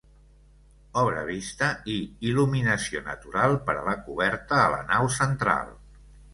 Obra vista i il·luminació natural per la coberta a la nau central.